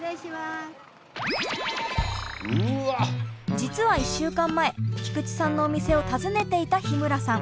実は１週間前菊池さんのお店を訪ねていた日村さん。